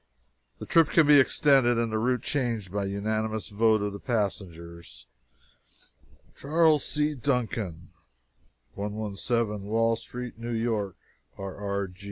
The trip can be extended, and the route changed, by unanimous vote of the passengers. CHAS. C. DUNCAN, 117 WALL STREET, NEW YORK R. R.